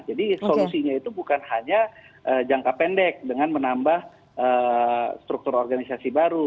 jadi solusinya itu bukan hanya jangka pendek dengan menambah struktur organisasi baru